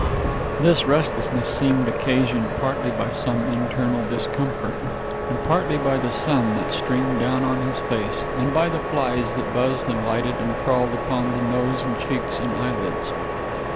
This restlessness seemed occasioned partly by some internal discomfort, and partly by the sun that streamed down on his face and by the flies that buzzed and lighted and crawled upon the nose and cheeks and eyelids.